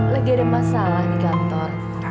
lagi ada masalah di kantor